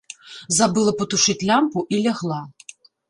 Забыла патушыць лямпу і лягла.